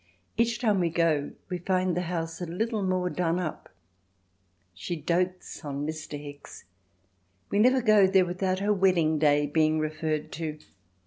Each time we go we find the house a little more done up. She dotes on Mr. Hicks—we never go there without her wedding day being referred to.